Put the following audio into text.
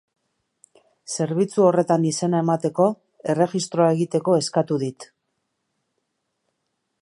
Zerbitzu horretan izena emateko, erregistroa egiteko, eskatu dit.